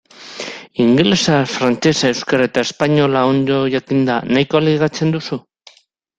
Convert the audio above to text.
Ingelesa, frantsesa, euskara eta espainola ondo jakinda nahikoa ligatzen duzu?